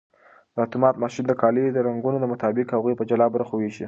دا اتومات ماشین د کالیو د رنګونو مطابق هغوی په جلا برخو ویشي.